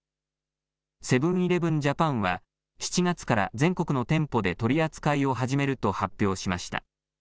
セブン‐イレブン・ジャパンは７月から全国の店舗で取り扱いを始めると発表しました。